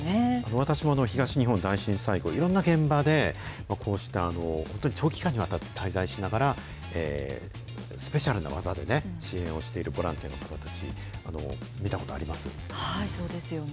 私も東日本大震災後、いろんな現場で、こうした本当に、長期間にわたって滞在しながら、スペシャルな技でね、支援をしているボランティアの方たち、見たそうですよね。